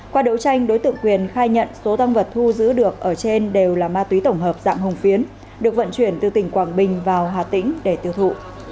qua đấu tranh đối tượng quyền khai nhận số tăng vật thu giữ được ở trên đều là ma túy tổng hợp dạng hồng phiến được vận chuyển từ tỉnh quảng bình vào hà tĩnh để tiêu thụ